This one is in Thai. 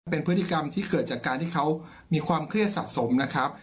เป็นพฤติกรรมที่เกิดจากการที่เขามีความเครียดสะสมนะครับ